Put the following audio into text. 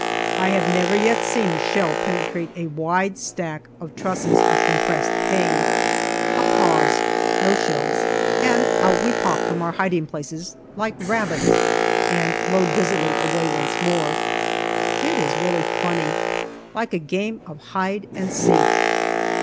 I have never yet seen a shell penetrate a wide stack of trusses of compressed hay. A pause no shells and out we pop from our hiding places like rabbits, and load busily away once more. It is really funny. Like a game of hide and seek.